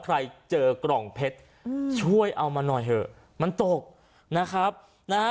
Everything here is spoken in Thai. ใครเจอกล่องเพชรอืมช่วยเอามาหน่อยเถอะมันตกนะครับนะฮะ